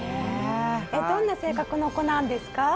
どんな性格の子なんですか？